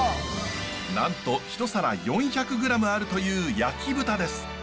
なんと１皿４００ｇあるという焼き豚です。